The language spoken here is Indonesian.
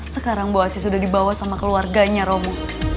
sekarang bu asi sudah dibawa sama keluarganya romo